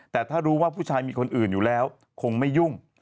แต่ถ้ารู้ว่าผู้ชายมีคนอื่นอยู่แล้วคงไม่ยุ่ง